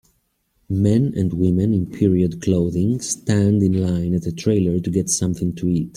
Men and women in period clothing stand in line at a trailer to get something to eat.